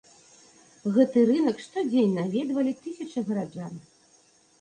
Гэты рынак штодзень наведвалі тысячы гараджан.